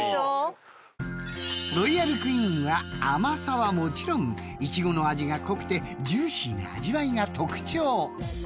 ［ロイヤルクイーンは甘さはもちろんイチゴの味が濃くてジューシーな味わいが特徴］